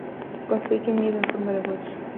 Construye un nido en forma de bolsa.